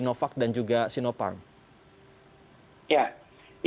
bagi yang sudah divaksin dengan vaksin booster